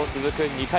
２回。